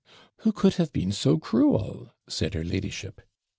'Who could have been so cruel?' said her ladyship.